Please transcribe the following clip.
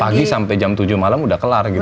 pagi sampai jam tujuh malam udah kelar gitu